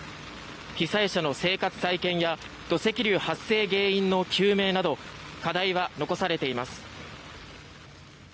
被災者の生活再建や土石流発生原因の究明など課題は残されています。